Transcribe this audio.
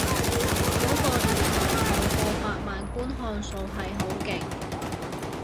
嗰個年代有過百萬觀看數係好勁